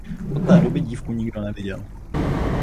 Od té doby dívku nikdo neviděl.